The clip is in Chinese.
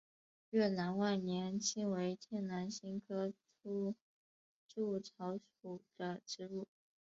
越南万年青为天南星科粗肋草属的植物。